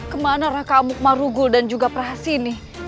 kemana raka marugul dan juga prahasini